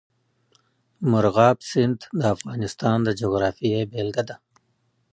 مورغاب سیند د افغانستان د جغرافیې بېلګه ده.